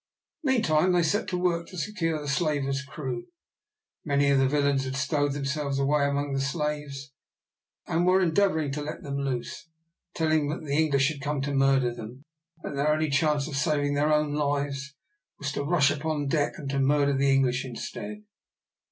Meantime they set to work to secure the slaver's crew. Many of the villains had stowed themselves away among the slaves, and were endeavouring to let them loose, telling them that the English had come to murder them, and that their only chance of saving their own lives was to rush upon deck and to murder the English instead.